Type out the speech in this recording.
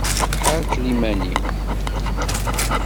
Ḥerkel iman-im!